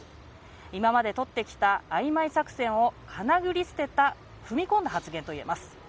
今まで取ってきたあいまい作戦をかなぐり捨てた踏み込んだ発言と言えます。